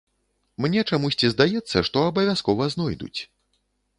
Мне чамусьці здаецца, што абавязкова знойдуць.